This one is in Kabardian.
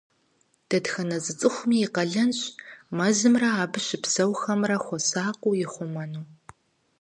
Дэтхэнэ зы цӀыхуми и къалэнщ мэзымрэ абы щыпсэухэмрэ хуэсакъыу ихъумэну.